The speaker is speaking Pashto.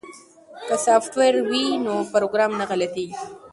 که سافټویر وي نو پروګرام نه غلطیږي.